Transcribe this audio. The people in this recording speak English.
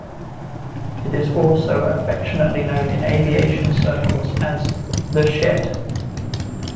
It is also affectionately known in aviation circles as "The Shed".